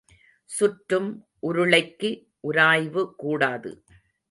சுற்றும் உருளைக்கு உராய்வு கூடாது.